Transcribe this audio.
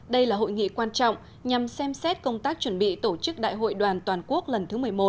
đây là hội nghị quan trọng nhằm xem xét công tác chuẩn bị tổ chức đại hội đoàn toàn quốc lần thứ một mươi một